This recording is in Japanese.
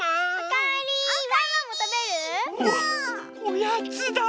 おやつだ！